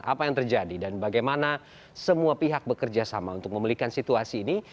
apa yang terjadi dan bagaimana semua pihak bekerja sama untuk membelikan situasi ini